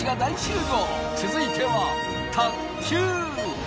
続いては卓球。